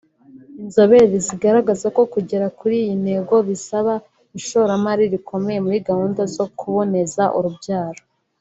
Inzobere zigaragaza ko kugera kuri iyi ntego bisaba ishoramari rikomeye muri gahunda zo kuboneza urubyaro